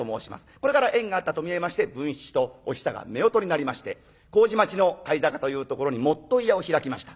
これから縁があったと見えまして文七とお久が夫婦になりまして麹町の貝坂というところに元結屋を開きました。